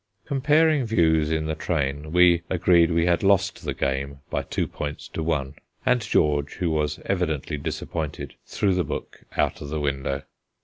Comparing views in the train, we agreed that we had lost the game by two points to one; and George, who was evidently disappointed, threw the book out of window.